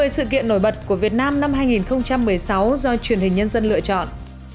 một mươi sự kiện nổi bật của việt nam năm hai nghìn một mươi sáu do truyền hình nhân dân lựa chọn